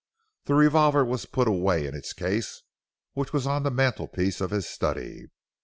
The revolver was put away in its case, which was on the mantelpiece of his study.